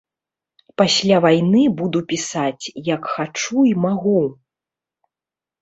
Пасля вайны буду пісаць, як хачу і магу.